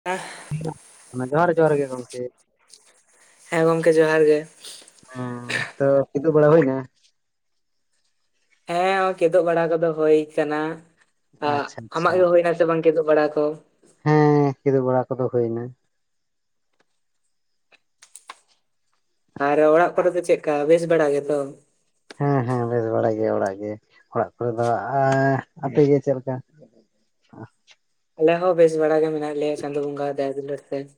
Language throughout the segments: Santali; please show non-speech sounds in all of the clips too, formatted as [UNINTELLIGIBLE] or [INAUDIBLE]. [UNINTELLIGIBLE] [UNINTELLIGIBLE] ᱚᱱᱮ ᱡᱚᱦᱟᱨ ᱡᱚᱦᱟᱨ ᱜᱮ ᱜᱚᱝᱠᱮ ᱾ ᱦᱮᱸ ᱜᱚᱝᱠᱮ ᱡᱚᱦᱟᱨ ᱜᱮ ᱾ [INAUDIBLE] ᱛᱚ ᱠᱤᱫᱩᱜ ᱵᱟᱲᱟ ᱦᱩᱭᱱᱟ? ᱦᱮᱸ ᱠᱮᱫᱚᱜ ᱵᱟᱲᱟ ᱠᱚᱫᱚ ᱦᱳᱭ ᱠᱟᱱᱟ ᱟᱜ ᱟᱪᱪᱷᱟ ᱟᱢᱟᱜ ᱟᱪᱪᱷᱟ ᱜᱮ ᱦᱩᱭᱱᱟ? ᱪᱮ ᱵᱟᱝ ᱠᱮᱫᱚᱵ ᱵᱟᱲᱟ ᱠᱚ ᱾ ᱦᱮᱸ ᱠᱮᱫᱚᱜ ᱵᱟᱲᱟ ᱠᱚᱫᱚ ᱦᱩᱭᱱᱟ ᱾ ᱟᱨ ᱚᱲᱟᱜ ᱠᱚᱨᱮ ᱫᱚ ᱪᱮᱜᱠᱟ ᱵᱮᱥ ᱵᱟᱲᱟ ᱜᱮᱛᱚ? ᱦᱮᱸ ᱦᱮᱸ ᱵᱮᱥ ᱵᱟᱲᱟᱭ ᱜᱮ ᱚᱲᱟᱜ ᱜᱮ ᱚᱲᱟᱜ ᱠᱚᱨᱮ ᱫᱚ [INAUDIBLE] ᱟᱯᱮ ᱜᱮ ᱪᱮᱫ ᱞᱮᱠᱟ? ᱟᱞᱮ ᱦᱚᱸ ᱵᱮᱥ ᱵᱟᱲᱟ ᱜᱮ ᱢᱮᱱᱟᱜ ᱞᱮᱭᱟ ᱪᱟᱸᱫᱳ ᱵᱚᱸᱜᱟ ᱟᱜ ᱫᱟᱭᱟ ᱫᱩᱞᱟᱹᱲ ᱛᱮ ᱾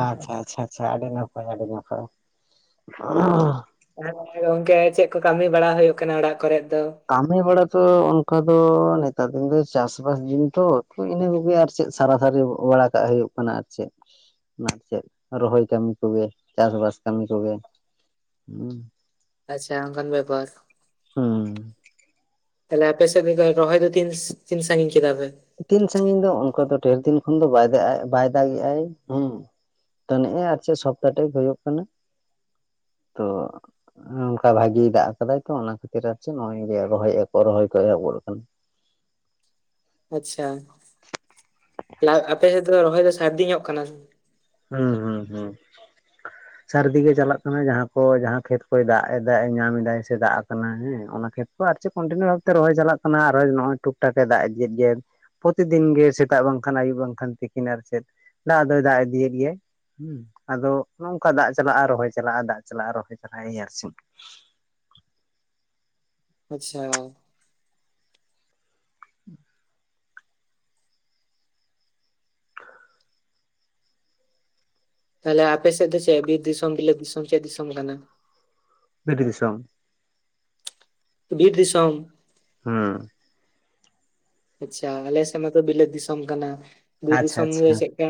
ᱟ ᱪᱟᱪᱷᱟ ᱪᱷᱟ ᱪᱷᱟ ᱟᱹᱰᱤ ᱱᱟᱯᱟᱭ ᱟᱹᱰᱤ ᱱᱟᱯᱟᱭ [UNINTELLIGIBLE] [INAUDIBLE] ᱜᱚᱝᱠᱮ ᱪᱮᱜ ᱠᱚ ᱠᱟᱹᱢᱤ ᱵᱟᱲᱟ ᱦᱳᱭᱳᱜ ᱠᱟᱱᱟ ᱚᱲᱟᱜ ᱠᱚᱨᱮᱫ ᱫᱚ? ᱠᱟᱹᱢᱤ ᱵᱟᱲᱟ ᱛᱚ ᱚᱱᱠᱟ ᱫᱚ ᱱᱮᱛᱟᱨ ᱫᱤᱱ ᱫᱚ ᱪᱟᱥᱵᱟᱥ ᱫᱤᱱ ᱛᱚ ᱤᱱᱟᱹ ᱠᱚᱜᱮ ᱟᱨ ᱪᱮᱜ ᱥᱟᱨᱟ [UNINTELLIGIBLE] ᱵᱟᱲᱟ ᱠᱟᱜ ᱦᱩᱭᱩᱜ ᱠᱟᱱᱟ ᱟᱨ ᱪᱮᱜ? ᱱᱟᱨ ᱪᱮᱜ ᱨᱚᱦᱚᱭ ᱠᱟᱹᱢᱤ ᱠᱚᱜᱮ ᱪᱟᱥᱵᱟᱥ ᱠᱟᱹᱢᱤ ᱠᱚᱜᱮ [INAUDIBLE] ᱟᱪᱪᱷᱟ ᱚᱱᱠᱟᱱ ᱵᱮᱯᱟᱨ ᱾ ᱦᱩᱸ ᱛᱷᱟᱞᱮ ᱟᱯᱮ ᱥᱮᱫ ᱨᱚᱦᱚᱭ ᱫᱚ ᱛᱤᱱ ᱛᱤᱱ ᱥᱟᱺᱜᱤᱧ ᱠᱮᱫᱟᱯᱮ? ᱛᱤᱱ ᱥᱟᱺᱜᱤᱧ ᱫᱚ ᱚᱱᱠᱟ ᱫᱚ ᱰᱷᱮᱨ ᱫᱤᱱ ᱠᱷᱚᱱ ᱫᱚ ᱵᱟᱭ ᱫᱟᱜ ᱵᱟᱭ ᱫᱟᱜᱮᱟᱭ ᱦᱩᱸ ᱾ ᱛᱚ ᱱᱮᱜᱼᱮ ᱟᱨ ᱪᱮᱜ ᱥᱚᱯᱛᱟ ᱴᱮᱠ ᱦᱩᱭᱩᱜ ᱠᱟᱱᱟ ᱛᱚ ᱾ ᱚᱱᱠᱟ ᱵᱷᱟᱜᱤᱭ ᱫᱟᱜ ᱠᱟᱫᱟᱭ ᱛᱚ ᱚᱱᱟ ᱠᱷᱟᱹᱛᱤᱨ ᱟᱨ ᱪᱮ [UNINTELLIGIBLE] ᱨᱚᱦᱚᱭ ᱮ ᱟᱠᱚ ᱨᱚᱦᱚᱭ ᱠᱚ ᱮᱦᱚᱵ ᱜᱚᱫ ᱠᱟᱱᱟ ᱾ ᱟᱪᱪᱷᱟ ᱞᱟᱣ ᱟᱯᱮ ᱥᱮᱫ ᱫᱚ ᱨᱚᱦᱚᱭ ᱫᱚ ᱥᱟᱹᱨᱫᱤ ᱧᱚᱜ ᱠᱟᱱᱟ [INAUDIBLE] ᱦᱩᱸ ᱦᱩᱸ ᱦᱩᱸ ᱾ ᱥᱟᱹᱨᱫᱤ ᱜᱮ ᱪᱟᱞᱟᱜ ᱠᱟᱱᱟ ᱡᱟᱦᱟᱸ ᱠᱚ ᱡᱟᱦᱟᱸ ᱠᱷᱮᱛ ᱠᱚᱭ ᱫᱟᱜ ᱮ ᱫᱟ ᱧᱟᱢ ᱮᱫᱟᱭ ᱥᱮ ᱫᱟᱜ ᱟᱠᱟᱱᱟ ᱦᱮᱸ ᱚᱱᱟ ᱠᱷᱮᱛ ᱾ ᱟᱨ ᱪᱮ ᱠᱚᱱᱴᱤᱱᱤᱭᱩ ᱵᱷᱟᱵᱛᱮ ᱨᱚᱦᱚᱭ ᱪᱟᱞᱟᱜ ᱠᱟᱱᱟ ᱟᱨᱚᱭ ᱱᱚᱜᱚᱭ ᱴᱩᱠ ᱴᱟᱠ ᱮ ᱫᱟᱜ ᱤᱫᱤᱭᱮᱫ ᱜᱮᱭᱟ ᱾ ᱯᱨᱚᱛᱤᱫᱤᱱ ᱜᱮ ᱥᱮᱛᱟᱜ ᱵᱟᱝᱠᱷᱟᱱ ᱟᱹᱩᱵ ᱵᱟᱝᱠᱷᱟᱱ ᱛᱤᱠᱤᱱ ᱟᱨ ᱪᱮᱫ ᱫᱟᱜ ᱫᱚᱭ ᱫᱟᱜ ᱤᱫᱤᱭᱮᱫ ᱾ ᱤᱭᱮ ᱦᱩᱸ ᱟᱫᱚ ᱱᱚᱝᱠᱟ ᱫᱟᱜ ᱪᱟᱞᱟᱜᱼᱟ ᱨᱚᱦᱚᱭ ᱪᱟᱞᱟᱜᱼᱟ ᱫᱟᱜ ᱪᱟᱞᱟᱜᱼᱟ ᱨᱚᱦᱚᱭ ᱪᱟᱞᱟᱜᱼᱟ [UNINTELLIGIBLE] ᱟᱪᱪᱷᱟ, ᱛᱟᱞᱮ ᱟᱯᱮ ᱥᱮᱫ ᱫᱚ ᱪᱮ ᱵᱤᱨ ᱫᱤᱥᱚᱢ ᱵᱤᱞᱟᱹᱛ ᱫᱤᱥᱚᱢ ᱪᱮᱫ ᱫᱤᱥᱚᱢ ᱠᱟᱱᱟ? ᱵᱤᱨ ᱫᱤᱥᱚᱢ᱾ ᱵᱤᱨ ᱫᱤᱥᱚᱢ? ᱦᱮᱸ, ᱟᱪᱪᱷᱟ ᱟᱞᱮ ᱥᱮᱱ ᱢᱟᱛᱚ ᱵᱤᱞᱟᱹᱛ ᱫᱤᱥᱚᱢ ᱠᱟᱱᱟ ᱵᱤᱨ ᱟᱪᱪᱷᱟ ᱫᱤᱥᱚᱢ ᱟᱪᱪᱷᱟ ᱨᱮ ᱪᱮᱜᱠᱟ?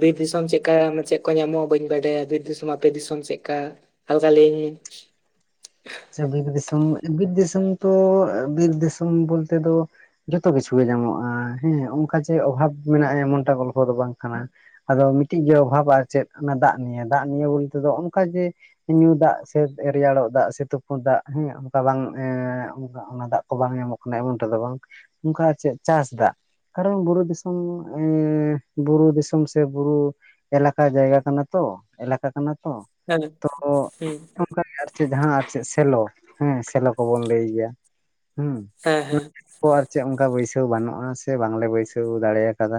ᱵᱤᱨ ᱫᱤᱥᱚᱢ ᱪᱮᱜᱠᱟ ᱪᱮᱜ ᱠᱚ ᱧᱟᱢᱚᱜᱼᱟ ᱵᱟᱹᱧ ᱵᱟᱰᱟᱭᱟ ᱵᱤᱨ ᱫᱤᱥᱚᱢ ᱟᱯᱮ ᱫᱤᱥᱚᱢ ᱪᱮᱜᱠᱟ? ᱦᱟᱞᱠᱟ ᱞᱮᱭᱟᱧ ᱢᱮ ᱾ ᱟᱪᱪᱷᱟ ᱵᱤᱨ ᱫᱤᱥᱚᱢ ᱵᱤᱨ ᱫᱤᱥᱚᱢ ᱛᱚ ᱵᱤᱨ ᱫᱤᱥᱚᱢ ᱵᱚᱞᱛᱮ ᱫᱚ ᱾ ᱡᱷᱚᱛᱚ ᱠᱤᱪᱷᱩ ᱜᱮ ᱧᱟᱢᱚᱜᱼᱟ ᱦᱮᱸ ᱚᱱᱠᱟ ᱡᱮ ᱚᱵᱷᱟᱵ ᱢᱮᱱᱟᱜᱼᱟ ᱮᱢᱚᱱᱴᱟᱜ ᱜᱚᱞᱯᱚ ᱫᱚ ᱵᱟᱝ ᱠᱟᱱᱟ ᱾ ᱟᱫᱚ ᱢᱤᱫᱴᱤᱡ ᱜᱮ ᱚᱵᱷᱟᱵ ᱟᱨ ᱪᱮᱜ ᱚᱱᱟ ᱫᱟᱜ ᱱᱤᱭᱮ ᱫᱟᱜ ᱱᱤᱭᱮ ᱵᱚᱞᱛᱮᱫᱚ ᱚᱱᱠᱟ ᱜᱮ ᱾ ᱧᱩ ᱫᱟᱜ ᱥᱮ ᱨᱮᱭᱟᱲᱚᱜ ᱫᱟᱜ ᱥᱮ ᱛᱩᱯ ᱯᱤ ᱫᱟᱜ ᱦᱮᱸ ᱚᱱᱠᱟ ᱵᱟᱝ [INAUDIBLE] ᱚᱱᱟ ᱫᱟᱜ ᱠᱚ ᱵᱟᱝ ᱧᱟᱢᱚᱜ ᱠᱟᱱᱟ ᱮᱢᱚᱱ ᱴᱟ ᱫᱚ ᱵᱟᱝ ᱾ ᱩᱝᱠᱟ ᱟᱨ ᱪᱮᱜ ᱪᱟᱥ ᱫᱟᱜ ᱾ ᱠᱟᱨᱚᱱ ᱵᱩᱨᱩ ᱫᱤᱥᱚᱢ [INAUDIBLE] ᱵᱩᱨᱩ ᱫᱤᱥᱚᱢ ᱥᱮ ᱵᱩᱨᱩ ᱾ ᱮᱞᱟᱠᱟ ᱡᱟᱭᱜᱟ ᱠᱟᱱᱟ ᱛᱚ ᱮᱞᱟᱠᱟ ᱠᱟᱱᱟ ᱾ ᱦᱮᱸ ᱦᱩᱸ ᱾ ᱚᱱᱠᱟ ᱜᱮ ᱟᱨ ᱪᱮᱫ ᱡᱟᱦᱟᱸ ᱟᱨ ᱪᱮᱫ ᱥᱮᱞᱚ ᱦᱮᱸ ᱥᱮᱞᱚ ᱠᱚᱵᱚᱱ ᱞᱟᱹᱭ ᱜᱮᱭᱟ ᱾ ᱦᱮᱸ [UNINTELLIGIBLE] ᱠᱚ ᱟᱨ ᱪᱮᱫ ᱚᱱᱠᱟ ᱵᱟᱹᱭᱥᱟᱹᱣ ᱵᱟᱹᱱᱩᱜᱼᱟ ᱥᱮ ᱵᱟᱝᱞᱮ ᱵᱟᱹᱭᱥᱟᱹᱣ ᱫᱟᱲᱮᱣᱟ ᱠᱟᱫᱟ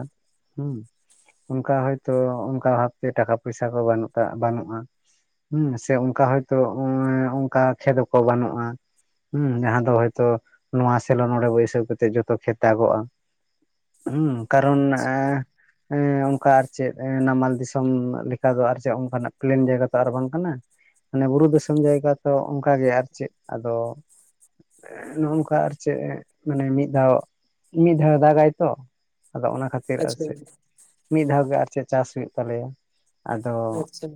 ᱦᱩᱸ ᱾ ᱚᱱᱠᱟ ᱦᱚᱭᱛᱚ ᱚᱱᱠᱟ ᱵᱷᱟᱵᱛᱮ ᱴᱟᱠᱟ ᱯᱚᱭᱥᱟ ᱠᱚ ᱵᱟᱹᱱᱩᱜ ᱵᱟᱹᱱᱩᱜᱼᱟ ᱾ ᱦᱩᱸ ᱥᱮ ᱚᱱᱠᱟ ᱦᱚᱭᱛᱳ ᱩᱸ ᱚᱱᱠᱟ ᱠᱷᱮᱛ ᱠᱚ ᱵᱟᱹᱱᱩᱜᱼᱟ ᱾ ᱦᱩᱸ ᱡᱟᱦᱟᱸ ᱫᱚ ᱦᱚᱳᱭᱛᱚ ᱱᱚᱣᱟ ᱥᱮᱞᱳ ᱱᱚᱸᱰᱮ ᱵᱟᱹᱭᱥᱟᱹᱣ ᱠᱟᱛᱮᱜ ᱡᱚᱛᱚ ᱠᱷᱮᱛ ᱛᱟᱵᱚᱜᱼᱟ ᱾ ᱦᱩᱸ ᱠᱟᱨᱚᱱ ᱮᱸ ᱾ ᱮᱸ ᱚᱱᱠᱟ ᱟᱨ ᱪᱮᱫ ᱱᱟᱢᱟᱞ ᱫᱤᱥᱚᱢ ᱞᱮᱠᱟ ᱫᱚ ᱟᱨ ᱪᱮᱫ ᱚᱱᱠᱟᱱᱟᱜ ᱯᱞᱮᱱ ᱡᱟᱭᱜᱟ ᱛᱚ ᱟᱨ ᱵᱟᱝ ᱠᱟᱱᱟ ᱾ ᱢᱟᱱᱮ ᱵᱩᱨᱩ ᱫᱤᱥᱚᱢ ᱡᱟᱭᱜᱟ ᱛᱚ ᱚᱱᱠᱟ ᱜᱮ ᱟᱨ ᱪᱮᱫ ᱟᱫᱚ ᱱᱚᱜ ᱚᱝᱠᱟ ᱟᱨ ᱪᱮᱫ ᱢᱟᱱᱮ ᱢᱤᱫ ᱫᱷᱟᱣ ᱢᱤᱫ ᱫᱷᱟᱣ ᱫᱟᱜᱟᱭ ᱛᱚ ᱟᱫᱚ ᱚᱱᱟ ᱠᱷᱟᱹᱛᱤᱨ ᱟᱨ ᱟᱪᱪᱷᱟ ᱪᱮᱫ ᱢᱤᱫ ᱫᱷᱟᱣ ᱜᱮ ᱟᱨ ᱪᱮᱫ ᱪᱟᱥ ᱦᱩᱭᱩᱜ ᱛᱟᱞᱮᱭᱟ ᱾ ᱟᱫᱚ ᱟᱪᱪᱷᱟ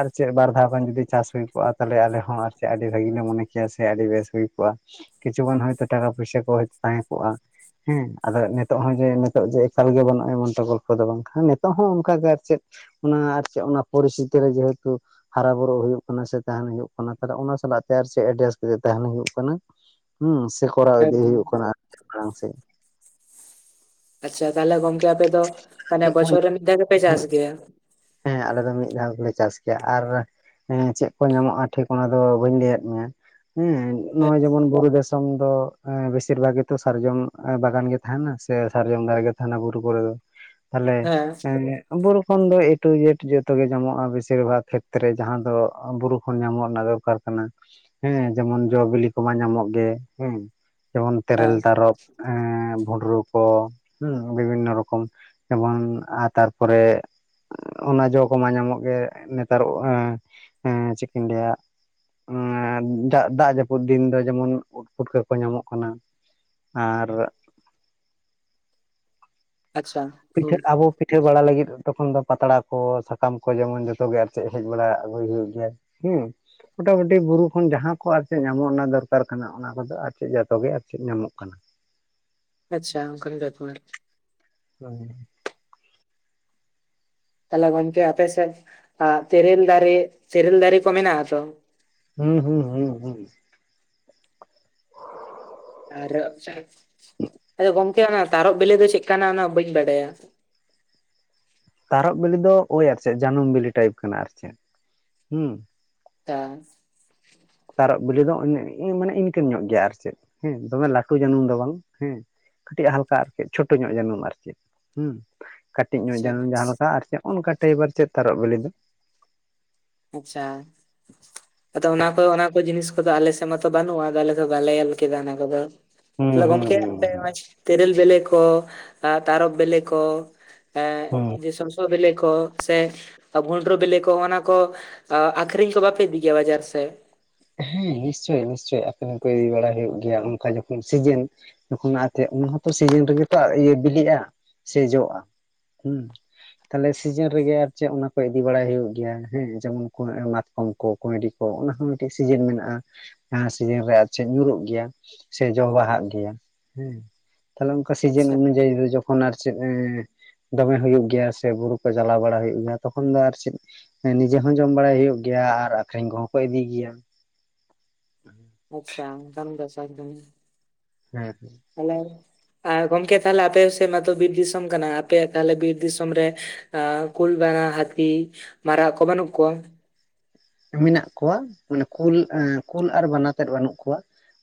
ᱟᱨ ᱪᱮᱫ ᱵᱟᱨ ᱫᱷᱟᱣ ᱜᱟᱱ ᱡᱩᱫᱤ ᱪᱟᱥ ᱦᱩᱭ ᱠᱚᱜᱼᱟ ᱛᱟᱦᱚᱞᱮ ᱟᱞᱮ ᱦᱚᱸ ᱟᱨ ᱥᱮ ᱟᱹᱰᱤ ᱵᱷᱟᱹᱜᱤ ᱞᱮ ᱢᱚᱱᱮ ᱠᱮᱭᱟ ᱥᱮ ᱟᱹᱰᱤ ᱵᱮᱥ ᱦᱩᱭ ᱠᱚᱜᱼᱟ ᱾ ᱠᱤᱪᱷᱩ ᱜᱟᱱ ᱦᱚᱭᱛᱚ ᱴᱟᱠᱟ ᱯᱚᱭᱥᱟᱹ ᱠᱚ ᱦᱚᱭᱛᱚ ᱛᱟᱦᱮᱸ ᱠᱚᱜᱼᱟ ᱾ ᱦᱮᱸ, ᱟᱫᱚ ᱱᱤᱛᱚᱜ ᱦᱚᱸ ᱡᱮ ᱱᱤᱛᱚᱜ ᱡᱮ ᱮᱠᱟᱞ ᱜᱮ ᱵᱟᱹᱱᱩᱜᱼᱟ ᱮᱢᱚᱱ ᱛᱮ ᱜᱚᱞᱯᱷᱚ ᱫᱚ ᱵᱟᱝᱠᱷᱟᱱ ᱱᱤᱛᱚᱜ ᱦᱚᱸ ᱚᱱᱠᱟᱜ ᱜᱮ ᱟᱨ ᱪᱮᱫ ᱚᱱᱟ ᱟᱨ ᱪᱮᱫ ᱚᱱᱟ ᱯᱚᱨᱤᱥᱛᱷᱤᱛᱤ ᱨᱮ ᱡᱮᱦᱮᱛᱩ ᱦᱟᱨᱟ ᱵᱩᱨᱩᱜ ᱦᱩᱭᱩᱜ ᱠᱟᱱᱟ ᱥᱮ ᱛᱟᱦᱮᱸᱱ ᱦᱩᱭᱩᱜ ᱠᱟᱱᱟ ᱾ ᱛᱟᱦᱞᱮ ᱚᱱᱟ ᱥᱟᱞᱟᱜ ᱛᱮ ᱟᱨᱥᱮ ᱮᱰᱡᱟᱥᱴ ᱠᱟᱛᱮ ᱛᱟᱦᱮᱸᱱ ᱦᱩᱭᱩᱜ ᱠᱟᱱᱟ ᱦᱩᱸ, ᱥᱮ ᱠᱚᱨᱟᱣ ᱤᱫᱤ ᱮᱠᱫᱚᱢ ᱦᱩᱭᱩᱜ ᱠᱟᱱᱟ ᱾ ᱞᱟᱯᱷᱟ ᱥᱮ ᱟᱪᱪᱷᱟ, ᱛᱟᱦᱚᱞᱮ ᱜᱚᱝᱠᱮ ᱟᱯᱮ ᱫᱚ ᱢᱟᱱᱮ ᱪᱮᱫ ᱠᱚ ᱵᱚᱪᱷᱚᱨ ᱧᱟᱢ ᱨᱮ ᱢᱤᱫ ᱫᱷᱟᱣ ᱜᱮᱯᱮ ᱪᱟᱥ ᱜᱮᱭᱟ? ᱦᱮᱸ ᱟᱞᱮ ᱫᱚ ᱢᱤᱫ ᱫᱷᱟᱣ ᱜᱮᱞᱮ ᱪᱟᱥ ᱜᱮᱭᱟ, ᱟᱨ ᱦᱮᱸ ᱪᱮᱫ ᱠᱚ ᱧᱟᱢᱚᱜᱼᱟ ᱴᱷᱤᱠ ᱚᱱᱟ ᱫᱚ ᱵᱟᱹᱧ ᱞᱟᱹᱭᱟᱫ ᱢᱮᱭᱟ ᱦᱮᱸ ᱦᱮᱸ ᱱᱚᱜᱼᱚᱭ ᱡᱮᱢᱚᱱ ᱵᱩᱨᱩ ᱫᱮᱥ ᱠᱷᱚᱱ ᱫᱚ ᱵᱮᱥᱤᱨ ᱵᱷᱟᱜ ᱜᱮ ᱛᱚ ᱥᱟᱨᱡᱚᱢ ᱵᱟᱜᱟᱱ ᱜᱮ ᱛᱟᱦᱮᱸᱱᱟ ᱥᱮ ᱥᱟᱨᱡᱚᱢ ᱫᱟᱨᱮᱜ ᱜᱮ ᱛᱟᱦᱮᱸᱱᱟ ᱵᱩᱨᱩ ᱠᱚᱨᱮ ᱫᱚ ᱾ ᱛᱟᱦᱚᱞᱮ ᱦᱮᱸ ᱮᱸ ᱵᱩᱨᱩ ᱠᱷᱚᱱ ᱫᱚ ᱮ ᱴᱩ ᱡᱮᱴ ᱡᱚᱛᱚ ᱜᱮ ᱧᱟᱢᱚᱜᱼᱟ, ᱵᱮᱥᱤᱨ ᱵᱷᱟᱜᱽ ᱠᱷᱮᱛᱛᱨᱮ ᱡᱟᱦᱟᱸ ᱫᱚ ᱵᱩᱨᱩ ᱠᱷᱚᱱ ᱧᱟᱢᱚᱜ ᱨᱮᱱᱟᱜ ᱫᱚᱨᱠᱟᱨ ᱠᱟᱱᱟ, ᱦᱮᱸ ᱡᱮᱢᱚᱱ ᱡᱚ ᱵᱤᱞᱤ ᱠᱚᱢᱟ ᱧᱟᱢᱚᱜ ᱜᱮ ᱦᱮᱸ ᱾ ᱡᱮᱢᱚᱱ ᱛᱮᱨᱮᱞ, ᱦᱮᱸ ᱛᱟᱨᱚᱵᱽ, ᱵᱷᱩᱸᱰᱨᱩ ᱠᱚ ᱦᱮᱸ ᱵᱤᱵᱷᱤᱱᱱᱚ ᱨᱚᱠᱚᱢ ᱡᱮᱢᱚᱱ ᱛᱟᱨᱯᱚᱨᱮ ᱚᱱᱟ ᱡᱚ ᱠᱚᱢᱟ ᱧᱟᱢᱚᱜ ᱜᱮ ᱱᱮᱛᱟᱨ ᱮᱸ ᱮᱸ ᱪᱮᱫ‌ ᱠᱟᱧ ᱞᱟᱹᱭᱟ? ᱮᱸ ᱫᱟᱜ ᱫᱟᱜ ᱡᱟᱹᱯᱩᱫ ᱫᱤᱱ ᱫᱚ ᱡᱮᱢᱚᱱ ᱩᱫᱽ ᱯᱩᱴᱠᱟᱹ ᱠᱚ ᱧᱟᱢᱚᱜ ᱠᱟᱱᱟ ᱾ ᱟᱨ ᱟᱪᱪᱷᱟ ᱾ ᱯᱤᱴᱷᱟᱹ ᱟᱵᱚ ᱯᱤᱴᱷᱟᱹ ᱵᱟᱲᱟ ᱞᱟᱹᱜᱤᱫ ᱛᱚᱠᱷᱚᱱ ᱫᱚ ᱯᱟᱛᱲᱟ ᱠᱚ ᱥᱟᱠᱟᱢ ᱠᱚ ᱡᱮᱢᱚᱱ ᱡᱚᱛᱚ ᱜᱮ ᱟᱨ ᱪᱮᱫ ᱦᱮᱡ ᱵᱟᱲᱟ ᱟᱹᱜᱩᱭ ᱦᱩᱭᱩᱜ ᱜᱮᱭᱟ ᱾ ᱦᱩᱸ ᱾ ᱢᱚᱴᱟᱢᱩᱴᱤ ᱵᱩᱨᱩ ᱠᱷᱚᱱ ᱡᱟᱦᱟᱸ ᱠᱚ ᱟᱨ ᱪᱮᱫ ᱧᱟᱢᱚᱜ ᱨᱮᱱᱟᱜ ᱫᱚᱨᱠᱟᱨ ᱠᱟᱱᱟ ᱚᱱᱟ ᱠᱚᱫᱚ ᱟᱨ ᱪᱮᱫ ᱡᱚᱛᱚ ᱜᱮ ᱟᱨ ᱪᱮᱫ ᱧᱟᱢᱚᱜ ᱠᱟᱱᱟ ᱾ ᱟᱪᱪᱷᱟ ᱚᱱᱠᱟᱱ ᱜᱮ [UNINTELLIGIBLE] ᱯᱟᱞᱮᱫ ᱾ [UNINTELLIGIBLE] ᱛᱟᱦᱚᱞᱮ ᱜᱚᱝᱠᱮ ᱟᱯᱮ ᱥᱮᱫ ᱛᱮᱨᱮᱞ ᱫᱟᱨᱮ, ᱛᱮᱨᱮᱞ ᱫᱟᱨᱮ ᱠᱚ ᱢᱮᱱᱟᱜ-ᱟ ᱛᱚ? ᱦᱩᱸ ᱦᱩᱸ ᱦᱩᱸ ᱦᱩᱸ ᱾ ᱟᱨ ᱟᱫᱚ ᱜᱚᱝᱠᱮ ᱚᱱᱟ ᱛᱟᱨᱚᱵ ᱵᱤᱞᱤ ᱫᱚ ᱪᱮᱫ ᱠᱟᱱᱟ? ᱚᱱᱟ ᱵᱟᱹᱧ ᱵᱟᱰᱟᱭᱟ ᱾ ᱛᱟᱨᱚᱵ ᱵᱤᱞᱤ ᱫᱚ ᱳᱭ ᱟᱨ ᱪᱮᱫ ᱡᱟᱹᱱᱩᱢ ᱵᱤᱞᱤ ᱴᱟᱭᱤᱯ ᱠᱟᱱᱟ ᱟᱨ ᱪᱮᱫ ᱦᱩᱸ ᱾ ᱛᱟ ᱛᱟᱨᱚᱵ ᱵᱤᱞᱤ ᱫᱚ ᱢᱟᱱᱮ ᱤᱱᱠᱟᱹᱱ ᱧᱚᱜ ᱜᱮᱭᱟ ᱟᱨ ᱪᱮᱫ ᱦᱮᱸ ᱫᱚᱢᱮ ᱞᱟᱹᱴᱩ ᱡᱟᱹᱱᱩᱢ ᱫᱚ ᱵᱟᱝ ᱦᱮᱸ᱾ ᱠᱟᱹᱴᱤᱡ ᱦᱟᱞᱠᱟ ᱟᱨ ᱠᱤ ᱪᱷᱳᱴᱳ ᱧᱚᱜ ᱡᱟᱹᱱᱩᱢ ᱟᱨ ᱪᱮᱫ ᱦᱩᱸ᱾ ᱠᱟᱹᱴᱤᱡ ᱧᱚᱜ ᱟᱪᱪᱷᱟ ᱡᱟᱹᱱᱩᱢ ᱡᱟᱦᱟᱸ ᱞᱮᱠᱟ ᱟᱨ ᱱᱚᱠᱟ ᱴᱟᱭᱵᱟᱨ ᱪᱮᱫ ᱛᱟᱨᱚᱵ ᱵᱤᱞᱤ ᱫᱚ᱾ ᱟᱪᱪᱷᱟ ᱟᱫᱚ ᱚᱱᱟ ᱠᱚ ᱚᱱᱟ ᱠᱚ ᱡᱤᱱᱤᱥ ᱟᱞᱮ ᱥᱮ ᱢᱟᱛ ᱵᱟᱹᱱᱩᱜᱼᱟ ᱟᱞᱮ ᱫᱚ ᱵᱟᱞᱮ ᱧᱮᱞ ᱠᱮᱫᱟ ᱚᱱᱟ ᱠᱚᱫᱚ᱾ ᱦᱩᱸ ᱛᱟᱞᱦᱮ ᱦᱩᱸ ᱜᱚᱢᱠᱮ? ᱦᱩᱸ ᱛᱮᱨᱮᱞ ᱵᱮᱞᱮ ᱠᱚ ᱟᱨ ᱛᱟᱨᱚᱵ ᱵᱮᱞᱮ ᱠᱚ, ᱮ ᱦᱩᱸ ᱡᱮ ᱥᱚᱥᱚ ᱵᱮᱞᱮ ᱠᱚ ᱥᱮ ᱵᱷᱩᱸᱰᱨᱩ ᱵᱮᱞᱮ ᱠᱚ, ᱚᱱᱟ ᱠᱚ᱾ ᱠᱚ ᱟᱠᱷᱨᱤᱧ ᱠᱚ ᱵᱟᱯᱮ ᱤᱫᱤ ᱜᱮᱭᱟ ᱵᱟᱡᱟᱨ ᱥᱮᱫ? ᱦᱮᱸ ᱱᱤᱥᱪᱳᱭ ᱱᱤᱥᱪᱳᱭ ᱟᱹᱠᱷᱨᱤᱧ ᱠᱚ ᱤᱫᱤ ᱵᱟᱲᱟ ᱦᱩᱭᱩᱜ ᱜᱮᱭᱟ, ᱚᱱᱠᱟ ᱡᱚᱠᱷᱚᱱ ᱥᱤᱡᱤᱱ ᱡᱚᱠᱷᱚᱱ ᱟᱛᱮ ᱩᱱ ᱦᱚᱸᱛᱚ ᱥᱤᱡᱤᱱ ᱨᱮᱜᱮ ᱛᱚ ᱵᱤᱞᱤᱜᱼᱟ ᱥᱮ ᱡᱚᱜᱼᱟ᱾ᱦᱮᱸ, ᱛᱟᱦᱚᱞᱮ ᱥᱤᱡᱤᱱ ᱨᱮᱜᱮ ᱟᱨ ᱪᱮᱫ ᱚᱱᱟ ᱠᱚ ᱤᱫᱤ ᱵᱟᱲᱟᱭ ᱦᱩᱭᱩᱜ ᱜᱮᱭᱟ ᱦᱮᱸ ᱡᱮᱢᱚᱱ ᱠᱚ ᱢᱟᱛ ᱠᱚᱢ ᱠᱚ ᱠᱚᱭᱰᱤ ᱠᱚ ᱚᱱᱟ ᱦᱚᱸ ᱢᱤᱫᱴᱮᱡ ᱥᱤᱡᱤᱱ ᱢᱮᱱᱟᱜᱼᱟ᱾ ᱡᱟᱦᱟᱸ ᱥᱤᱡᱤᱱ ᱨᱮ ᱟᱨ ᱪᱮᱫ ᱧᱩᱨᱩᱜ ᱜᱮᱭᱟ ᱥᱮ ᱡᱚ ᱵᱟᱦᱟᱜ ᱜᱮᱭᱟ ᱦᱮᱸ? ᱛᱟᱦᱚᱞᱮ ᱚᱱᱠᱟ ᱥᱤᱡᱤᱱ ᱟᱪᱪᱷᱟ ᱚᱱᱩᱡᱟᱭᱤ ᱫᱚ ᱡᱚ ᱛᱚᱠᱷᱚᱱ ᱟᱨ ᱪᱮᱫ ᱮᱸ ᱫᱚᱢᱮ ᱦᱩᱭᱩᱜ ᱜᱮᱭᱟ ᱥᱮ ᱵᱩᱨᱩ ᱠᱚ ᱪᱟᱞᱟᱣ ᱵᱟᱲᱟ ᱦᱩᱭᱩᱜ ᱜᱮᱭᱟ ᱛᱚᱠᱷᱚᱱ ᱫᱚ ᱟᱨ ᱪᱮᱫ? ᱦᱮᱸ ᱱᱤᱡᱮ ᱦᱚᱸ ᱡᱚᱢ ᱵᱟᱲᱟᱭ ᱦᱩᱭᱩᱜ ᱜᱮᱭᱟ ᱟᱨ ᱟᱠᱷᱨᱤᱧ ᱠᱚᱦᱚᱸ ᱠᱚ ᱤᱫᱤᱭ ᱜᱮᱭᱟ᱾ ᱟᱪᱪᱷᱟ ᱚᱱᱠᱟᱱ ᱵᱮᱵᱽᱥᱟ ᱡᱤᱱᱤᱥ ᱦᱮᱸ ᱦᱮᱸ᱾ ᱛᱟᱦᱚᱞᱮ, ᱟᱨ ᱜᱚᱢᱠᱮ ᱛᱟᱦᱞᱮ ᱟᱯᱮ ᱥᱮᱫ ᱢᱟᱛᱚ ᱵᱤᱨ ᱫᱤᱥᱚᱢ ᱠᱟᱱᱟ ᱟᱯᱮ ᱭᱟᱜ ᱛᱟᱦᱚᱞᱮ ᱵᱤᱨ ᱫᱤᱥᱚᱢ ᱨᱮ ᱮᱸ ᱠᱩᱞ ᱵᱟᱱᱟ ᱦᱟᱹᱛᱤ ᱢᱟᱨᱟᱜ ᱠᱚ ᱵᱟᱹᱱᱩᱜ ᱠᱚᱣᱟ? ‌ ᱢᱮᱱᱟᱜ ᱠᱚᱣᱟ ᱢᱟᱱᱮ ᱠᱩᱞ ᱮᱸ ᱠᱩᱞ ᱟᱨ ᱵᱟᱱᱟ ᱛᱮᱫ ᱵᱟᱱᱩᱜ ᱠᱚᱣᱟ᱾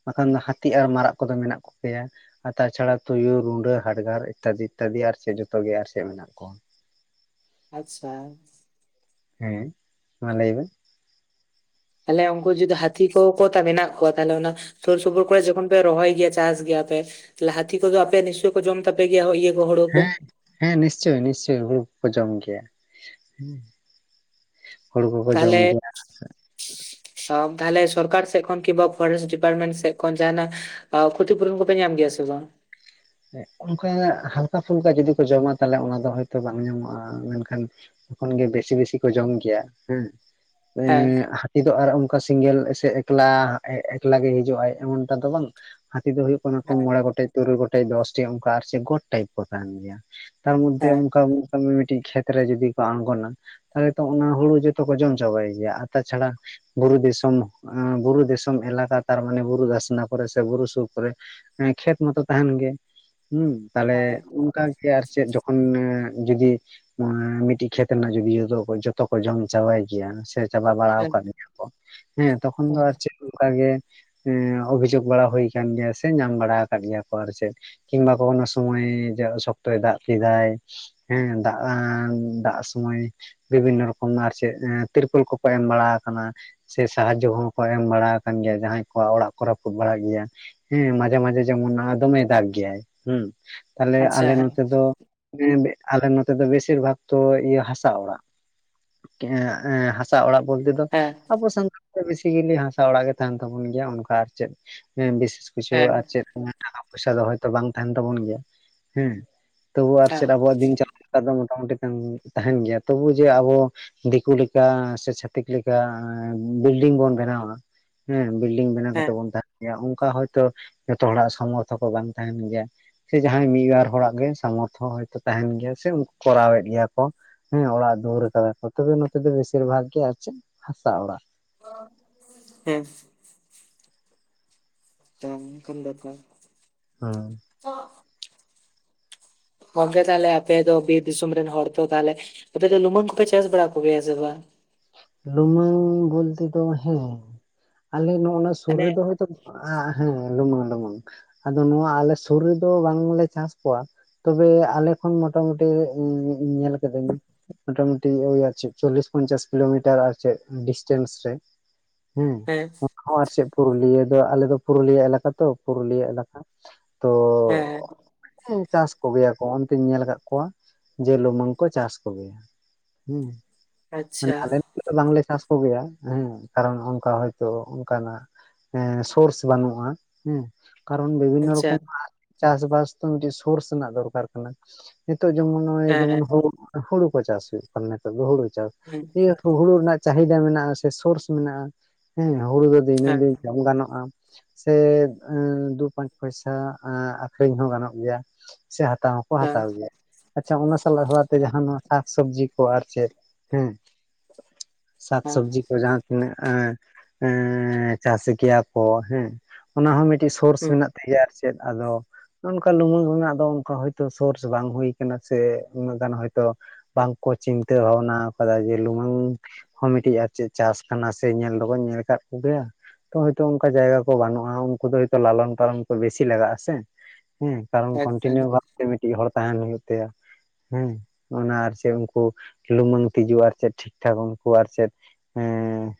ᱵᱟᱠᱷᱟᱱ ᱫᱚ ᱦᱟᱛᱤ ᱟᱨ ᱢᱟᱨᱟᱜ ᱠᱚᱫᱚ ᱢᱮᱱᱟᱜ ᱠᱚᱜᱮ ᱭᱟ᱾ ᱟᱨ ᱛᱟᱪᱷᱟᱲᱟ ᱛᱩᱭᱩ ᱨᱩᱸᱰᱟᱹ ᱦᱟᱰᱜᱟᱨ ᱤᱛᱛᱟᱫᱤ ᱤᱛᱛᱟᱫᱤ ᱟᱨ ᱪᱮᱜ ᱡᱚᱛᱚ ᱜᱮ ᱟᱨ ᱪᱮᱜ ᱢᱮᱱᱟᱜ ᱠᱚᱣᱟ᱾ ᱟᱪᱪᱷᱟ? ᱦᱮᱸ ᱢᱟ ᱞᱟᱹᱭ ᱵᱮᱱ? ᱛᱟᱦᱚᱞᱮ ᱩᱱᱠᱩ ᱡᱩᱫᱤ ᱦᱟᱹᱛᱷᱤ ᱠᱚᱠᱚ ᱛᱟ ᱢᱮᱱᱟᱜ ᱠᱚᱣᱟ ᱛᱟᱦᱚᱞᱮ ᱚᱱᱟ ᱥᱩᱨ ᱥᱩᱯᱩᱨ ᱠᱚᱨᱮ ᱡᱚᱠᱷᱚᱱ ᱯᱮ ᱨᱚᱦᱚᱭ ᱜᱮᱭᱟ ᱪᱟᱥ ᱜᱮᱭᱟ ᱯᱮ ᱦᱟᱛᱷᱤ ᱠᱚᱫᱚ ᱟᱯᱮ ᱱᱤᱥᱪᱳᱭ ᱠᱚ ᱡᱚᱢ ᱛᱟᱯᱮ ᱜᱮᱭᱟ ᱦᱚ ᱤᱭᱟᱹ ᱠᱚ ᱦᱳᱲᱳ ᱠᱚ ᱦᱮᱸ, ᱦᱮᱸ ᱱᱤᱥᱪᱚᱭ ᱱᱤᱥᱪᱚᱭ ᱦᱩᱲᱩ ᱠᱚᱠᱚ ᱡᱚᱢ ᱜᱮᱭᱟ᱾ ᱦᱩᱲᱩ ᱠᱚᱠᱚ ᱛᱟᱦᱚᱞᱮ ᱡᱚᱢ ᱜᱮᱭᱟ ᱥᱟᱵᱽ ᱛᱟᱦᱚᱞᱮ ᱥᱚᱨᱠᱟᱨ ᱥᱮᱜ ᱠᱷᱚᱱ ᱠᱤᱝᱵᱟ ᱯᱷᱚᱨᱮᱥ ᱰᱤᱯᱟᱨᱢᱮᱱ ᱥᱮᱜ ᱠᱷᱚᱱ ᱡᱟᱦᱟᱸᱱᱟᱜ ᱟ ᱠᱷᱚᱛᱤ ᱯᱩᱨᱚᱱ ᱠᱚᱯᱮ ᱧᱟᱢ ᱜᱮᱭᱟ ᱥᱮ ᱵᱟᱝ? ᱮᱜ ᱚᱱᱠᱟ ᱦᱟᱞᱠᱟ ᱯᱷᱩᱞᱠᱟ ᱡᱩᱫᱤ ᱠᱚ ᱡᱚᱢᱟ ᱛᱟᱦᱟᱞᱮ ᱚᱱᱟ ᱫᱚ ᱦᱚᱭᱛᱚ ᱵᱟᱝ ᱧᱟᱢᱚᱜ-ᱟ ᱢᱮᱱᱠᱷᱟᱱ ᱡᱚᱠᱷᱚᱱ ᱜᱮ ᱵᱮᱥᱤ ᱵᱮᱥᱤ ᱠᱚ ᱡᱚᱢ ᱜᱮᱭᱟ ᱦᱮᱸ ᱦᱮᱸ ᱮᱸᱜ ᱦᱟ ᱛᱤ ᱫᱚ ᱟᱨ ᱚᱱᱠᱟ ᱥᱤᱝᱜᱮᱞ ᱥᱮ ᱮᱠᱞᱟ ᱮᱜ ᱮᱠᱞᱟ ᱜᱮ ᱦᱤᱡᱩᱜ ᱟᱭ ᱮᱢᱚᱱ ᱴᱟ ᱫᱚ ᱵᱟᱝ ᱦᱟᱹᱛᱤ ᱫᱚ ᱦᱩᱭᱩᱜ ᱠᱚᱱᱟ ᱠᱚ ᱦᱮᱸ ᱢᱚᱬᱮ ᱜᱚᱴᱮᱡ ᱛᱩᱨᱩᱭ ᱜᱚᱴᱮᱡ ᱫᱚᱥ ᱴᱤ ᱚᱝᱠᱟ ᱟᱨ ᱪᱮᱫ ᱜᱚᱴ ᱴᱟᱭᱤᱯ ᱠᱚ ᱛᱟᱦᱮᱱ ᱜᱮᱭᱟ᱾ ᱛᱟᱨ ᱢᱩᱫᱽᱫᱷᱮ ᱚᱱᱠᱟ ᱵᱩᱪ ᱠᱟᱜ ᱢᱮ ᱢᱤᱫᱴᱤᱡ ᱠᱷᱮᱛ ᱨᱮ ᱡᱩᱫᱤ ᱠᱚ ᱟᱬᱜᱚᱱᱟ᱾ ᱛᱟᱦᱚᱞᱮ ᱛᱚ ᱚᱱᱟ ᱦᱩᱲᱩ ᱡᱚᱛᱚ ᱠᱚ ᱡᱚᱢ ᱪᱟᱵᱟᱭ ᱜᱮᱭᱟ ᱟᱨ ᱛᱟᱪᱷᱟᱲᱟ, ᱵᱩᱨᱩ ᱫᱤᱥᱚᱢ, ᱚᱸ ᱵᱩᱨᱩ ᱫᱤᱥᱚᱢ ᱮᱞᱟᱠᱟ ᱛᱟᱨ ᱢᱟᱱᱮ ᱵᱩᱨᱩ ᱫᱷᱟᱥᱱᱟ ᱠᱚᱨᱮ ᱥᱮ ᱵᱩᱨᱩ ᱥᱩᱨ ᱠᱚᱨᱮ, ᱮᱸ ᱠᱷᱮᱛ ᱢᱚᱛᱚ ᱛᱟᱦᱮᱱ ᱜᱮ ᱦᱩᱸ ᱛᱟᱦᱚᱞᱮ ᱦᱮᱸ ᱚᱱᱠᱟ ᱜᱮ ᱟᱨ ᱪᱮᱫ ᱡᱚ ᱠᱷᱚᱱ ᱮᱸ ᱡᱩᱫᱤ ᱚᱶᱟ ᱢᱤᱫᱴᱤᱡ ᱠᱷᱮᱛ ᱨᱮᱱᱟᱜ ᱡᱚᱫᱤ ᱡᱷᱚᱛᱚ ᱠᱚ ᱡᱚᱛᱚ ᱡᱚᱢ ᱪᱟᱵᱟᱭ ᱜᱮᱭᱟ ᱥᱮ ᱪᱟᱵᱟ ᱵᱟᱲᱟᱣ ᱦᱮᱸ ᱠᱟᱜ ᱜᱮᱭᱟ ᱠᱚ ᱦᱮᱸ ᱛᱚᱠᱷᱚᱱ ᱫᱚ ᱦᱮᱸ ᱟᱨ ᱪᱮᱜ? ᱚᱱᱠᱟ ᱜᱮ ᱮᱸ ᱚᱵᱷᱤᱡᱳᱜᱽ ᱵᱟᱲᱟ ᱦᱩᱭ ᱠᱟᱱ ᱜᱮᱭᱟ ᱥᱮ ᱧᱟᱢ ᱵᱟᱲᱟ ᱠᱟᱫ ᱜᱮᱭᱟ ᱠᱚ ᱟᱨ ᱪᱮᱫ ᱠᱤᱝᱵᱟ ᱠᱚ ᱚᱱᱟ ᱥᱚᱢᱚᱭ ᱡᱟ ᱥᱚᱠᱛᱚᱭ ᱫᱟᱜ ᱠᱮᱫᱟᱭ᱾ ᱦᱮᱸ ᱫᱟᱜ-ᱟᱸ ᱫᱟᱜ ᱥᱚᱢᱚᱭ ᱵᱤᱵᱷᱤᱱᱱᱚ ᱨᱚᱠᱚᱢ ᱟᱨ ᱪᱮᱫ ᱮᱸ ᱛᱤᱨᱯᱳᱞ ᱠᱚᱠᱚ ᱮᱢ ᱵᱟᱲᱟ ᱟᱠᱟᱱᱟ ᱾ ᱥᱮ ᱥᱟᱦᱟᱡᱚ ᱦᱚᱸᱠᱚ ᱮᱢ ᱵᱟᱲᱟ ᱟᱠᱟᱱ ᱜᱮᱭᱟ ᱡᱟᱦᱟᱸᱭ ᱠᱚᱣᱟᱜ ᱚᱲᱟᱜ ᱠᱚ ᱨᱟᱯᱩᱫ ᱵᱟᱲᱟ ᱜᱮᱭᱟ ᱾ ᱦᱮᱸ ᱢᱟᱡᱷᱮ ᱢᱟᱡᱷᱮ ᱡᱮᱢᱚᱱ ᱟ ᱫᱚᱢᱮᱭ ᱫᱟᱜ ᱜᱮᱭᱟᱭ ᱦᱩᱸ, ᱛᱟᱦᱚᱞᱮ ᱟᱪᱪᱷᱟ ᱟᱞᱮ ᱦᱮᱸ ᱱᱚᱛᱮ ᱫᱚ ᱜᱮᱸ ᱵᱮᱜ ᱟᱞᱮ ᱱᱚᱛᱮ ᱫᱚ ᱵᱮᱥᱤᱨ ᱵᱷᱟᱜᱽ ᱛᱚ ᱤᱭᱟᱹ ᱦᱟᱥᱟ ᱚᱲᱟᱜ ᱠᱮᱸ ᱮᱸ ᱦᱟᱥ ᱦᱟᱥᱟ ᱚᱲᱟᱜ ᱵᱚᱞᱛᱮ ᱫᱚ ᱦᱮᱸ ᱟᱵᱚ ᱥᱟᱱᱛᱟᱲ ᱫᱚ ᱵᱮᱥᱤ ᱜᱮ ᱞᱮ ᱦᱟᱥᱟ ᱚᱲᱟᱜ ᱜᱮ ᱛᱟᱦᱮᱱ ᱛᱟᱵᱚᱱ ᱜᱮᱭᱟ ᱚᱱᱠᱟ ᱟᱨ ᱪᱮᱫ ᱮ ᱸ ᱵᱤᱥᱮᱥ ᱠᱤᱪᱷᱩ ᱦᱮᱸ ᱟᱨ ᱪᱮᱫ ᱚᱱᱟ ᱴᱟᱠᱟ ᱯᱚᱭᱥᱟ ᱫᱚ ᱦᱚᱭᱛᱚ ᱵᱟᱝ ᱛᱟᱦᱮᱱ ᱛᱟᱵᱚᱱ ᱜᱮᱭᱟ ᱦᱮᱸ ᱾ ᱛᱚᱵᱩ ᱟᱨ ᱪᱮᱫ ᱦᱮᱸ ᱟᱵᱚᱣᱟᱜ ᱫᱤᱱ ᱪᱟᱞᱟᱣ ᱞᱮᱠᱟ ᱫᱚ ᱢᱚᱴᱟᱼᱢᱩᱴᱤ ᱛᱟᱸᱱ ᱛᱟᱦᱮᱱ ᱜᱮᱭᱟ ᱛᱚᱵᱩ ᱡᱮ ᱟᱵᱚ ᱫᱤᱠᱩ ᱞᱮᱠᱟ ᱥᱮ ᱪᱷᱟᱛᱤᱠ ᱞᱮᱠᱟ ᱮᱸ ᱵᱤᱞᱰᱤᱝ ᱵᱚᱱ ᱵᱮᱱᱟᱣᱟ ᱦᱮᱸ ᱵᱤᱞᱰᱤᱝ ᱵᱮᱱᱟᱣ ᱦᱮᱸ ᱠᱟᱛᱮᱜ ᱵᱚᱱ ᱛᱟᱦᱮᱱ ᱜᱮᱭᱟ ᱚᱱᱠᱟ ᱦᱚᱭᱛᱚ ᱡᱷᱚᱛᱚ ᱦᱚᱲᱟᱜ ᱥᱚᱢᱚᱨᱛᱷᱚ ᱠᱚ ᱵᱟᱝ ᱛᱟᱦᱮᱱ ᱜᱮᱭᱟ ᱾ ᱥᱮ ᱡᱟᱦᱟᱸᱭ ᱢᱤᱫ ᱵᱟᱨ ᱦᱚᱲᱟᱜ ᱜᱮ ᱥᱟᱢᱚᱨᱛᱷᱚ ᱦᱚᱭᱛᱚ ᱛᱟᱦᱮᱱ ᱜᱮᱭᱟ ᱥᱮ ᱩᱱᱠᱩ ᱠᱚᱨᱟᱣᱮᱫ ᱜᱮᱭᱟ ᱠᱚ ᱾ ᱦᱮᱸ ᱚᱲᱟᱜ ᱫᱩᱣᱟᱹᱨ ᱠᱟᱫᱟ ᱠᱚ ᱛᱚᱵᱮ ᱱᱚᱛᱮ ᱫᱚ ᱵᱮᱥᱤᱨ ᱵᱷᱟᱜ ᱜᱮ ᱟᱨ ᱪᱮᱫ ᱦᱟᱥᱟ ᱚᱲᱟᱜ ᱾ ᱦᱮᱸ ᱾ ᱛᱟᱢ ᱠᱷᱟᱱ ᱫᱟᱠᱟ‌ ᱦᱩᱸ ᱾ ᱪᱟᱥ ᱜᱚᱝᱠᱮ ᱛᱟᱦᱚᱞᱮ ᱟᱯᱮ ᱫᱚ ᱵᱤᱨ ᱫᱤᱥᱚᱢ ᱨᱮᱱ ᱦᱚᱲ ᱛᱚ ᱛᱟᱦᱚᱞᱮ ᱟᱯᱮ ᱫᱚ ᱞᱩᱢᱟᱹᱝ ᱠᱚᱯᱮ ᱪᱟᱥ ᱵᱟᱲᱟ ᱠᱚ ᱜᱮᱭᱟ ᱥᱮ ᱵᱟᱝ? ᱞᱩᱢᱟᱹᱝ ᱵᱚᱞᱛᱮ ᱫᱚ ᱦᱮᱸ ᱟᱞᱮ ᱱᱚᱜ-ᱚᱱᱟ ᱥᱩᱨ ᱢᱟᱱᱮ ᱨᱮᱫᱚ ᱦᱚᱭ ᱛᱚᱵ ᱟ ᱦᱮᱸ ᱞᱩᱢᱟᱹᱝ ᱞᱩᱢᱟᱹᱝ ᱾ ᱟᱫᱚ ᱱᱚᱣᱟ ᱟᱞᱮ ᱥᱩᱨ ᱨᱮᱫᱚ ᱵᱟᱝᱞᱮ ᱪᱟᱥ ᱠᱚᱣᱟ ᱛᱚᱵᱮ ᱟᱞᱮ ᱠᱷᱚᱱ ᱢᱚᱴᱟᱢᱩᱴ ᱛᱮ ᱤᱧ ᱧᱮᱞ ᱟᱠᱟᱫᱟᱹᱧ ᱢᱚᱴᱟᱢᱩᱴᱤ ᱳᱭ ᱟᱨ ᱪᱮᱫ ᱪᱚᱞᱤᱥ ᱯᱚᱧᱪᱟᱥ ᱠᱤᱞᱳᱢᱤᱴᱟᱨ ᱟᱨᱪᱮᱫ ᱰᱤᱥᱴᱮᱱᱥ ᱨᱮ ᱦᱮᱸ ᱾ ᱦᱚᱸ ᱟᱨ ᱪᱮᱫ ᱯᱩᱨᱩᱞᱤᱭᱟᱹ ᱫᱚ ᱟᱞᱮ ᱫᱚ ᱯᱩᱨᱩᱞᱤᱭᱟᱹ ᱮᱞᱟᱠᱟ ᱛᱚ ᱯᱩᱨᱩᱞᱤᱭᱟᱹ ᱮᱞᱟᱠᱟ ᱾ ᱛᱚ ᱦᱮᱸ ᱪᱟᱥ ᱠᱚᱜᱮᱭᱟ ᱠᱚ ᱚᱱᱛᱮᱧ ᱧᱮᱞ ᱟᱠᱟᱫ ᱠᱚᱣᱟ ᱡᱮ ᱞᱩᱢᱟᱹᱝ ᱠᱚ ᱪᱟᱥ ᱠᱚᱜᱮᱭᱟ ᱾ ᱦᱩᱸ ᱾ ᱢᱟᱱᱮ ᱟᱞᱮ ᱱᱚᱛᱮ ᱫᱚ ᱵᱟᱝᱞᱮ ᱪᱟᱥ ᱠᱚᱜᱮᱭᱟ ᱦᱮᱸ ᱠᱟᱨᱚᱱ ᱚᱱᱠᱟ ᱦᱚᱭᱛᱳ ᱚᱱᱠᱟ ᱱᱟᱜ ᱥᱳᱨᱥ ᱵᱟᱹᱱᱩᱜᱼᱟ ᱾ ᱦᱮᱸ ᱠᱟᱨᱚᱱ ᱵᱤᱵᱷᱤᱱᱱᱚ ᱨᱚᱠᱚᱢᱟᱜ ᱪᱟᱥᱵᱟᱥ ᱛᱚ ᱢᱤᱫᱴᱮᱡ ᱥᱳᱨᱥ ᱨᱮᱱᱟᱜ ᱫᱚᱨᱠᱟᱨ ᱠᱟᱱᱟ ᱾ ᱱᱤᱛᱳᱜ ᱡᱮᱢᱚᱱ ᱱᱚᱜᱼᱚᱭ ᱡᱮᱢᱚᱱ ᱦᱩ ᱦᱩᱲᱩ ᱠᱚ ᱪᱟᱥ ᱦᱩᱭᱩᱜ ᱠᱟᱱᱟ ᱱᱤᱛᱳ ᱫᱚ ᱦᱩᱲᱩ ᱪᱟᱥ ᱾ ᱦᱩᱸ ᱾ ᱡᱮᱛᱩ ᱦᱩᱲᱩ ᱨᱮᱱᱟᱜ ᱪᱟᱦᱤᱫᱟ ᱢᱮᱱᱟᱜᱼᱟ ᱥᱮ ᱥᱳᱨᱥ ᱢᱮᱱᱟᱜᱼᱟ ᱦᱮᱸ ᱦᱩᱲᱩ ᱫᱚ ᱫᱤᱱᱟᱹᱢ ᱫᱤᱱ ᱡᱚᱢ ᱜᱟᱱᱚᱜᱼᱟ ᱾ ᱥᱮ ᱮᱸ ᱫᱩ ᱯᱟᱸᱪ ᱯᱚᱭᱥᱟ ᱮᱸ ᱟᱠᱷᱨᱤᱧ ᱦᱚᱸ ᱜᱟᱱᱚᱜ ᱜᱮᱭᱟ ᱾ ᱥᱮ ᱦᱟᱛᱟᱣ ᱦᱚᱸᱠᱚ ᱦᱟᱛᱟᱣ ᱜᱮᱭᱟ ᱟᱪᱷᱟ ᱚᱱᱟ ᱥᱟᱞᱟ ᱥᱟᱞᱟᱜ ᱛᱮ ᱡᱟᱦᱟᱸ ᱱᱚᱣᱟ ᱥᱟᱠ ᱥᱚᱵᱽᱡᱤ ᱠᱚ ᱟᱨ-ᱪᱮᱫ ᱾ ᱦᱮᱸ ᱥᱟᱠ ᱥᱚᱵᱽᱡᱤ ᱛᱚ ᱡᱟᱦᱟᱸ ᱛᱤᱱᱟᱹᱜ ᱮᱸᱻ ᱪᱟᱥ ᱠᱮᱭᱟ ᱠᱚ ᱦᱮᱸ ᱚᱱᱟᱦᱚᱸ ᱢᱤᱫᱴᱤᱡ ᱥᱳᱨᱥ ᱦᱮᱱᱟᱜ ᱛᱮᱜᱮ ᱟᱨ-ᱪᱮᱫ ᱟᱫᱚ ᱚᱝᱠᱟ ᱞᱩᱢᱟᱹᱝ ᱨᱮᱱᱟᱜ ᱫᱚ ᱚᱱᱠᱟ ᱦᱚᱭᱛᱚ ᱥᱳᱨᱥ ᱵᱟᱝ ᱦᱩᱭᱩ ᱠᱟᱱᱟ ᱥᱮ ᱩᱱᱟᱹᱜ ᱜᱟᱱ ᱦᱚᱭᱛᱚ ᱵᱟᱝᱠᱚ ᱪᱤᱱᱛᱟᱹ ᱵᱷᱟᱵᱽᱱᱟ ᱠᱟᱫᱟ ᱡᱮ ᱞᱩᱢᱝ ᱦᱚᱸ ᱢᱤᱫᱴᱤᱡ ᱟᱨ ᱪᱮᱫ ᱪᱟᱥ ᱠᱟᱱᱟ ᱥᱮ ᱧᱮᱞ ᱫᱚᱵᱚᱱ ᱧᱮᱞ ᱟᱠᱟᱫ ᱠᱚᱜᱮᱭᱟ ᱾ ᱛᱚ ᱦᱳᱭᱛᱚ ᱚᱱᱠᱟ ᱡᱟᱭᱜᱟ ᱠᱚ ᱵᱟᱹᱱᱩᱜᱼᱟ ᱩᱱᱠᱩ ᱫᱚ ᱦᱚᱭᱛᱚ ᱞᱟᱞᱚᱱ ᱯᱟᱞᱚᱱ ᱠᱚ ᱵᱮᱥᱤ ᱞᱟᱜᱟᱜᱼᱟᱥᱮ ᱦᱮᱸ ᱾ ᱠᱟᱨᱚᱱ ᱠᱚᱱᱴᱤᱱᱤᱭᱩ ᱵᱷᱟᱵ ᱛᱮ ᱢᱤᱫ ᱢᱤᱫᱴᱤᱡ ᱦᱚᱲ ᱛᱟᱦᱮᱱ ᱦᱩᱭᱩᱜ ᱛᱟᱭᱟ ᱦᱮᱸ ᱚᱱᱟ ᱟᱨ-ᱪᱮᱫ ᱩᱱᱠᱩ ᱞᱩᱢᱟᱹᱝ ᱛᱤᱡᱩ ᱟᱨ-ᱪᱮᱫ ᱴᱷᱤᱠ ᱴᱷᱟᱠ ᱩᱱᱠᱩ ᱟᱨ ᱪᱮᱫ ᱮᱸᱻ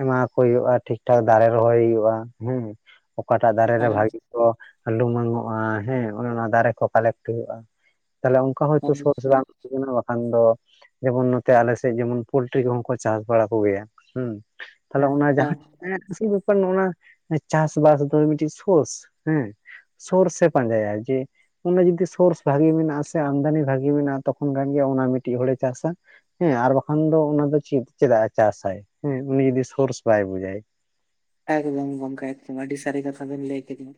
ᱮᱢᱟᱣᱠᱚ ᱦᱩᱭᱩᱜᱼᱟ ᱴᱷᱤᱠ ᱴᱷᱟᱠ ᱫᱟᱨᱮ ᱨᱚᱦᱚᱭ ᱦᱩᱭᱩᱜᱼᱟ ᱦᱮᱸ ᱾ ᱚᱠᱟᱴᱟᱜ ᱫᱟᱨᱮ ᱨᱮ ᱵᱷᱟᱜ ᱚᱦ ᱞᱩᱢᱝ ᱱᱚᱣᱟ ᱦᱮᱸ ᱚᱱᱮ ᱚᱱᱟ ᱫᱟᱨᱮ ᱠᱚ ᱯᱟᱞᱮᱜ ᱦᱩᱭᱩᱜᱼᱟ ᱛᱟᱦᱚᱞᱮ ᱩᱝ ᱠᱟ ᱦᱭᱛᱳ ᱥᱳᱨᱥ ᱵᱟᱝ [UNINTELLIGIBLE] [UNINTELLIGIBLE] ᱫᱚ ᱡᱮᱢᱚᱱ ᱛᱮ ᱟᱞᱮ ᱥᱮᱜ ᱡᱮᱢᱚᱱ ᱯᱚᱞᱴᱨᱤ ᱠᱚᱦᱚᱸ ᱠᱚ ᱪᱟᱥ ᱵᱟᱲᱟ ᱠᱚᱜᱮᱭᱟ ᱦᱩᱸ ᱛᱟᱦᱚᱞᱮ ᱚᱱᱟ ᱡᱟᱦᱟᱸ ᱮᱥ ᱥᱤ ᱵᱮᱯᱟᱨ ᱱᱚᱣᱟ ᱪᱟᱥᱵᱟᱥ ᱫᱚ ᱢᱤᱴᱤᱡ ᱥᱯᱳᱥ ᱦᱮᱸ ᱥᱳᱨ ᱥᱮ ᱯᱟᱸᱡᱟᱭᱟ ᱡᱮ ᱚᱱᱟ ᱡᱩᱫᱤ ᱥᱳᱨᱥ ᱵᱷᱟᱜᱮ ᱢᱮᱱᱟᱜᱼᱟ ᱥᱮ ᱟᱢᱫᱟᱱᱤ ᱵᱷᱟᱜᱤ ᱢᱮᱱᱟᱜᱼᱟ ᱛᱚᱠᱷᱚᱱ ᱠᱷᱟᱡ ᱜᱮ ᱚᱱᱟ ᱢᱤᱴᱤᱡ ᱦᱚᱲᱮ ᱪᱟᱥᱟ᱾ ᱦᱮᱸ ᱟᱨ ᱵᱟᱠᱷᱟᱱ ᱫᱚ ᱚᱱᱟ ᱫᱚ ᱪᱤᱛ ᱪᱮᱫᱟᱜ ᱮ ᱪᱟᱥᱟᱭ ᱦᱮᱸ ᱩᱱᱤ ᱡᱩᱚᱫᱤ ᱥᱳᱨᱥ ᱵᱟᱭ ᱵᱩᱡᱟᱭ᱾ ᱮᱠᱫᱚᱢ ᱜᱚᱢᱠᱮ ᱮᱠᱫᱚᱢ ᱟᱹᱰᱤ ᱥᱟᱹᱨᱤ ᱠᱟᱛᱷᱟ ᱵᱤᱱ ᱞᱟᱹᱭ ᱠᱮᱫᱤᱧ᱾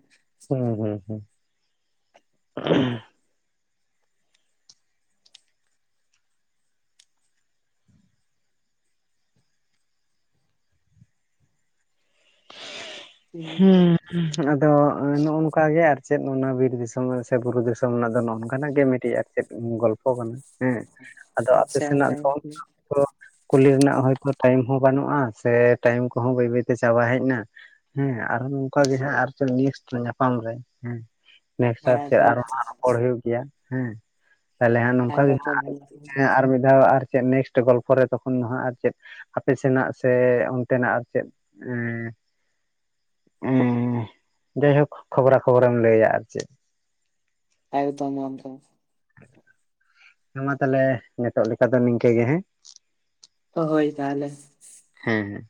ᱦᱩᱸ ᱦᱩᱸ ᱦᱩᱸ᱾ ᱦᱩᱸ ᱟᱫᱚ ᱱᱚᱜᱚ ᱱᱚᱝᱠᱟ ᱜᱮ ᱟᱨ ᱪᱮᱫ ᱚᱱᱟ ᱵᱤᱨ ᱫᱤᱥᱚᱢ ᱥᱮ ᱵᱩᱨᱩ ᱫᱤᱥᱚᱢ ᱨᱮᱱᱟᱜ ᱫᱚ ᱱᱚᱝᱠᱟᱱᱟᱜ ᱜᱮ ᱢᱤᱫᱴᱤᱡ ᱟᱨ ᱪᱮᱫ ᱜᱚᱞᱯᱷᱚ ᱠᱟᱱᱟ ᱦᱮᱸ ᱟᱫᱚ ᱟᱯᱮ ᱟᱪᱪᱷᱟ ᱦᱮᱸ, ᱦᱮᱸ, ᱟᱨ ᱥᱮᱱᱟᱜ ᱨᱚᱯᱚᱲ ᱫᱚ ᱠᱚᱦᱚ ᱠᱩᱞᱤ ᱨᱮᱱᱟᱜ ᱦᱚᱭᱛᱚ ᱴᱟᱭᱤᱢ ᱦᱚᱸ ᱵᱟᱹᱱᱩᱜᱼᱟ ᱥᱮ ᱴᱟᱭᱤᱢ ᱠᱚᱦᱚᱸ ᱵᱟᱹᱭ ᱵᱟᱹᱭ ᱛᱮ ᱪᱟᱵᱟ ᱦᱮᱡ ᱱᱟ ᱦᱮᱸ [UNINTELLIGIBLE] ᱧᱟᱯᱟᱢ ᱨᱮ ᱱᱮᱥ ᱠᱟᱨᱛᱮ ᱦᱩᱭᱩᱜᱼᱟ᱾ ᱟᱨᱦᱚᱸ ᱦᱟᱜ ᱨᱚᱯᱚᱲ ᱦᱩᱭᱩᱜ ᱜᱮᱭᱟ ᱦᱮᱸ᱾ ᱛᱟᱦᱞᱮ ᱦᱟᱸᱜ ᱱᱚᱝᱠᱟ ᱜᱮ ᱮᱠᱫᱚᱢ ᱦᱟᱸᱜ ᱜᱚᱝᱠᱮ᱾ ᱟᱨ ᱦᱳᱭ, ᱦᱮᱸ ᱟᱨ ᱢᱤᱫ ᱫᱷᱟᱣ ᱟᱨ ᱪᱮᱫ ᱱᱮᱠᱥᱴ ᱜᱚᱞᱯᱷᱚ ᱨᱮ ᱛᱚᱠᱷᱚᱱ ᱫᱚ ᱦᱟᱜ ᱟᱨ ᱪᱮᱫ ᱟᱯᱮ ᱥᱮᱱᱟᱜ ᱥᱮ ᱚᱱᱛᱮᱱᱟᱜ ᱟᱨ ᱪᱮᱫ ᱦᱮᱸ᱾ ᱩ ᱡᱟᱭᱦᱳᱠ ᱠᱷᱚᱵᱽᱨᱟ ᱠᱷᱚᱵᱚᱨᱮᱢ ᱞᱟᱹᱭᱟ ᱟᱨ ᱪᱮᱫ᱾ ᱮᱠᱫᱚᱢ ᱮᱠᱫᱚᱢ᱾ ᱦᱮᱸ ᱢᱟ ᱛᱟᱦᱞᱮ ᱱᱤᱛᱚᱜ ᱞᱮᱠᱟ ᱫᱚ ᱱᱤᱝᱠᱟᱹ ᱜᱮ ᱦᱮᱸ᱾ ᱦᱳᱭ ᱛᱟᱦᱚᱞᱮ᱾ ᱦᱮᱸ